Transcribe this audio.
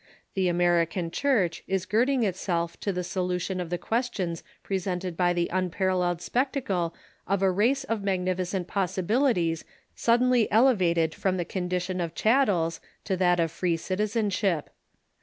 The Amer ican Church is girding itself to the solution of the questions presented by the unparalleled spectacle of a race of mag nificent possibilities suddenly elevated from the condition of chattels to that of free citizenship.